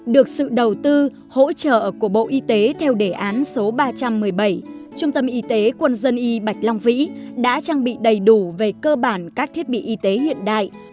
được sự đầu tư hỗ trợ của bộ y tế theo đề án số ba trăm một mươi bảy trung tâm y tế quân dân y bạch long vĩ đã trang bị đầy đủ về cơ bản các thiết bị y tế hiện đại